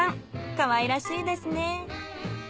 かわいらしいですね。